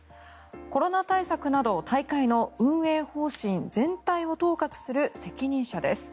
コロナ対策など大会の運営方針を統括する責任者です。